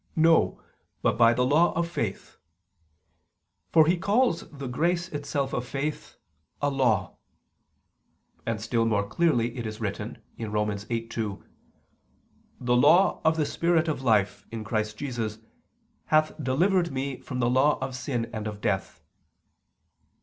No, but by the law of faith": for he calls the grace itself of faith "a law." And still more clearly it is written (Rom. 8:2): "The law of the spirit of life, in Christ Jesus, hath delivered me from the law of sin and of death."